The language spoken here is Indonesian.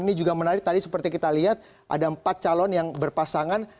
ini juga menarik tadi seperti kita lihat ada empat calon yang berpasangan